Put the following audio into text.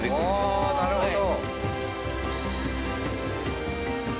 ああなるほど。